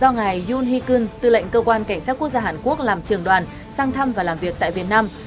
do ngài yoon hee keun tư lệnh cơ quan cảnh sát quốc gia hàn quốc làm trường đoàn sang thăm và làm việc tại việt nam